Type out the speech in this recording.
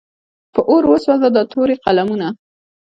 په اور وسوځه دا تورې قلمونه.